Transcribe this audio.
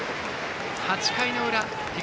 ８回の裏東